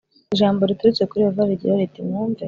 ijambo riturutse kuri Yehova rigira riti mwumve